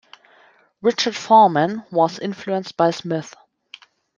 Richard Foreman was influenced by Smith.